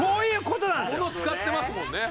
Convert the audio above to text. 物を使ってますもんね。